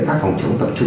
phát phòng chống tập trung